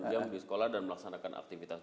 delapan jam di sekolah dan melaksanakan aktivitas